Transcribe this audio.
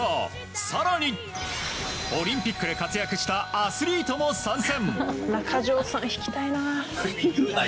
更にオリンピックで活躍したアスリートも参戦。